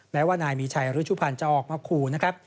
แม้ว่านายมีชัยหรือชุพรรณจะออกมาคูล